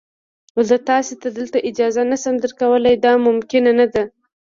زه تاسي ته دلته اجازه نه شم درکولای، دا ممکنه نه ده.